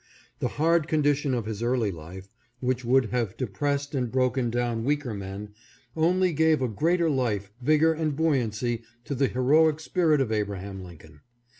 The hard condition of his early life, which would have de pressed and broken down weaker men, only gave greater life, vigor, and buoyancy to the heroic spirit of Abraham Lincoln.